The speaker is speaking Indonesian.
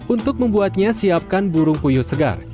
untuk membuatnya siapkan burung puyuh segar